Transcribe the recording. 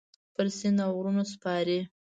پر سیند اوغرونو سپارې